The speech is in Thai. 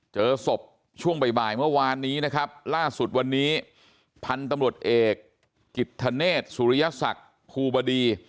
เจอศพช่วงบ่ายเมื่อวานนี้นะครับล่าสุดวันนี้พันธุ์ตำรวจเอกกิจธเนศสุริยศักดิ์ภูบดี